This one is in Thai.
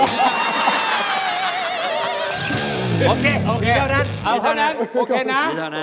โอเคนี่เท่านั้นโอเคนะ